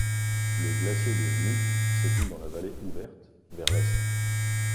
Le glacier de Zmutt s'écoule dans la vallée ouverte vers l'est.